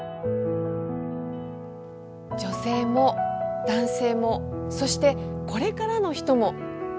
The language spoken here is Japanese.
「女性も男性もそしてこれからの人も」。